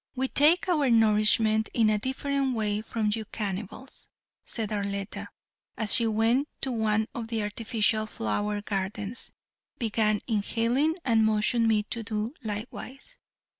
We take our nourishment in a different way from you cannibals," said Arletta, as she went to one of the artificial flower gardens, began inhaling and motioned me to do likewise.